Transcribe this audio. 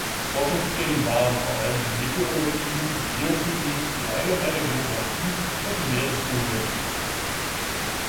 Forschungsthemen waren vor allem die Meteorologie, die Geophysik, die allgemeine Geografie und die Meereskunde.